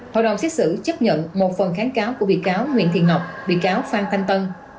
hội đồng xét xử chấp nhận một phần kháng cáo của bị cáo nguyễn thị ngọc bị cáo phan thanh tân